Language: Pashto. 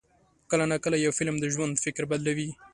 کله ناکله یو فلم د ژوند فکر بدلوي.